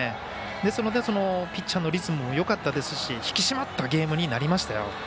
それでピッチャーのリズムもよかったですし引き締まったゲームになりましたよ。